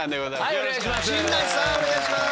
はいお願いします。